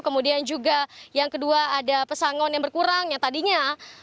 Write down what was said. kemudian juga yang kedua ada pesangon yang berkurang yang tadinya